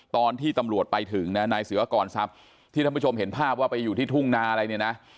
ตอนที่ตำรวจไปถึงนะนายศิวากรทรัพย์ที่ท่านผู้ชมเห็นภาพว่าไปอยู่ที่ทุ่งนาอะไรเนี่ยนะ